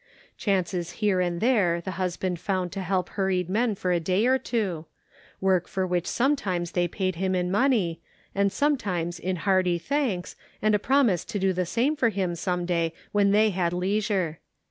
Chances here and there the husband found to help harried men for a day or two ; work for which sometimes they paid him in money, and sometimes in hearty thanks, and a promise to do the same Measuring Enthusiasm. 461 for him some day when they had leisure.